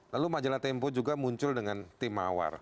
lalu majalah tempo juga muncul dengan timawar